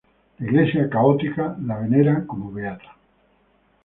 La Iglesia Católica la venera como beata.